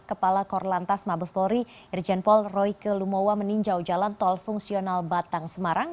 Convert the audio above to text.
kepala korlantas mabes polri irjenpol royke lumowa meninjau jalan tol fungsional batang semarang